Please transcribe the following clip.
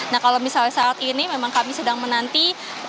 nah kalau misalnya saat ini memang kami sedang menanti